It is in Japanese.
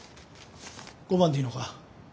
５万でいいのか？